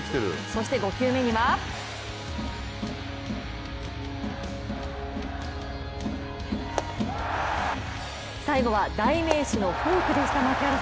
そして５球目には最後は代名詞のフォークでした。